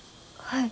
はい。